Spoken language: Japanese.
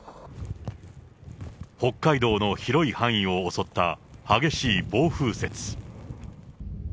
北海道の広い範囲を襲った激しい暴風雪。